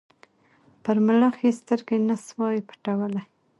پر ملخ یې سترګي نه سوای پټولای